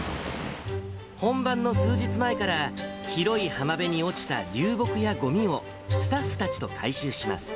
本番の数日前から、広い浜辺に落ちた流木や、ごみをスタッフたちと回収します。